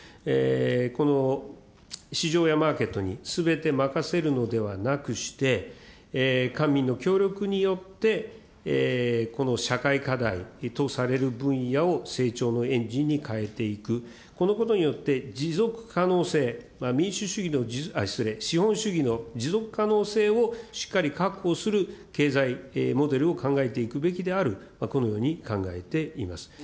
この市場やマーケットにすべて任せるのではなくして、官民の協力によってこの社会課題とされる分野を成長のエンジンに変えていく、このことによって持続可能性、民主主義の、失礼、資本主義の持続可能性をしっかり確保する経済モデルを考えていくべきである、このように考えています。